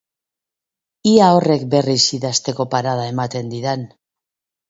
Ea horrek berriz idazteko parada ematen didan.